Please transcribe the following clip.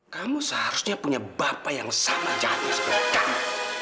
kamu seharusnya punya bapak yang sama jahat seperti kamu